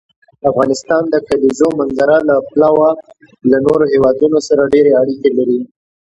افغانستان د کلیزو منظره له پلوه له نورو هېوادونو سره ډېرې اړیکې لري.